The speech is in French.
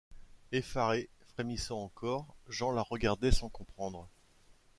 Effaré, frémissant encore, Jean la regardait, sans comprendre.